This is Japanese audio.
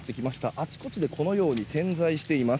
あちこちでこのように点在しています。